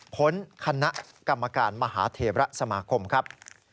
พ้นคณะกรรมการมหาเทระสมาคมครับ